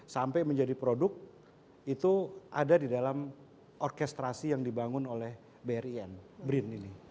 sampai menjadi produk itu ada di dalam orkestrasi yang dibangun oleh brin brin ini